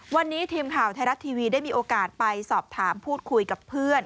วันนี้ทีมข่าวไทยรัฐทีวีได้มีโอกาสไปสอบถามพูดคุยกับเพื่อน